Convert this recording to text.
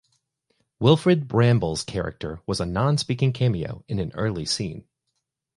Wilfred Brambell's character was a non-speaking cameo in an early scene.